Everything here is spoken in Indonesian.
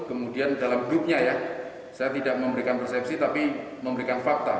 kemudian dalam hidupnya ya saya tidak memberikan persepsi tapi memberikan fakta